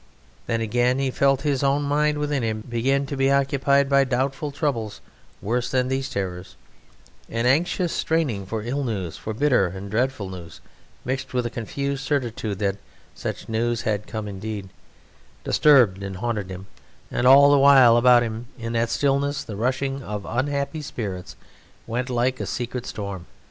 Then, again, he felt his own mind within him begin to be occupied by doubtful troubles worse than these terrors, an anxious straining for ill news, for bitter and dreadful news, mixed with a confused certitude that such news had come indeed, disturbed and haunted him; and all the while about him in that stillness the rushing of unhappy spirits went like a secret storm.